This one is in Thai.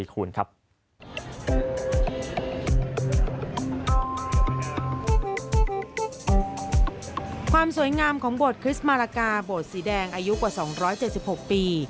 ความสวยงามของบทคริสต์มาลากาโบสถสีแดงอายุกว่า๒๗๖ปี